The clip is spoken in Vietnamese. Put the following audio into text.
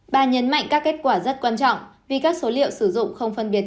bà nhấn mạnh các kết quả rất quan trọng vì các số liệu sử dụng không phân biệt